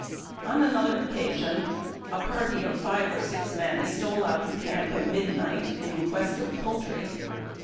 On another occasion a party of five or six men stole out of camp at midnight, in quest of poultry.